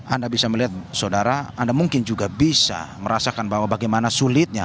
anda bisa melihat saudara anda mungkin juga bisa merasakan bahwa bagaimana sulitnya